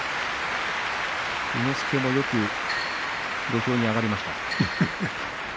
伊之助もよく土俵に上がりました。